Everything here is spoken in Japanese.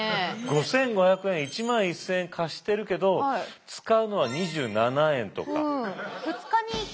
５，５００円１万１，０００円貸してるけど使うのは２７円とか。